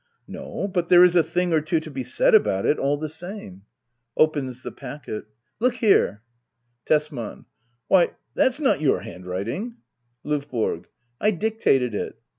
No; but there is a thing or two to be said about it all the same. [Oj^ the packet.'] Look here Tesman. Why, that's not your handwriting* LOVBORO. I dictated it.